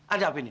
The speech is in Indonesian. ada apa ini